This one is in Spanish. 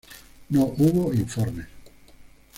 No hubo informes.